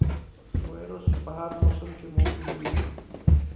ویروس په هر موسم کې موجود وي.